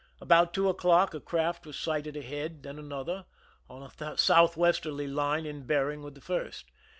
About two o'clock a craft was sighted ahead, then another, on a southwesterly line of bearing with the first.